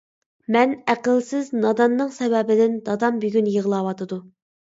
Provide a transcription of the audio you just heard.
مەن ئەقىلسىز، ناداننىڭ سەۋەبىدىن دادام بۈگۈن يىغلاۋاتىدۇ.